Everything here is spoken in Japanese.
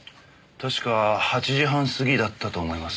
確か８時半過ぎだったと思います。